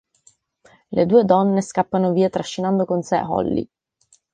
Le due donne scappano via trascinando con sé Holly.